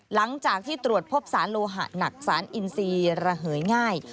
หลังจากที่ตรวจพบสารโลหะหนักสารอินซีระเหยง่าย